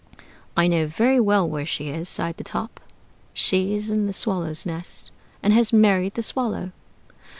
"I know very well where she is!" sighed the Top. "She is in the Swallow's nest, and has married the Swallow!"